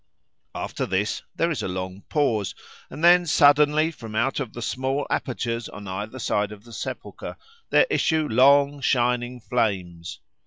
After this, there is a long pause, and then suddenly from out of the small apertures on either side of the sepulchre there issue long, shining flames.